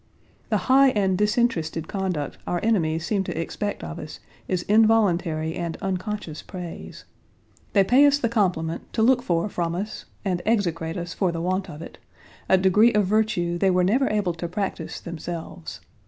The high and disinterested conduct our enemies seem to expect of us is involuntary and unconscious praise. They pay us the compliment to look for from us (and execrate us for the want of it) a degree of virtue they were never able to practise themselves.